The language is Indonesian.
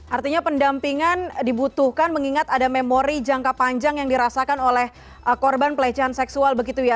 artinya pendampingan dibutuhkan mengingat ada memori jangka panjang yang dirasakan oleh korban pelecehan seksual begitu ya